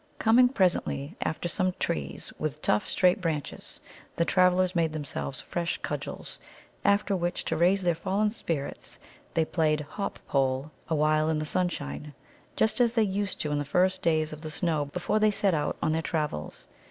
Coming presently after to some trees with tough, straight branches, the travellers made themselves fresh cudgels. After which, to raise their fallen spirits, they played hop pole awhile in the sunshine, just as they used to in the first days of the snow before they set out on their travels.